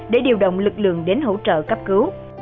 để điều động lực lượng đến hỗ trợ cấp cứu